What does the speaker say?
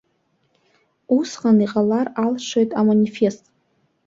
Усҟан иҟалар алшоит аманифест.